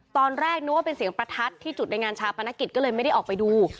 ตอนแรกนึกว่าเป็นเสียงประทัดที่จุดในงานชาปนกิจก็เลยไม่ได้ออกไปดู